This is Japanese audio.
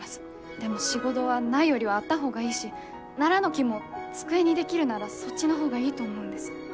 でも仕事はないよりはあった方がいいしナラの木も机に出来るならそっちの方がいいと思うんです。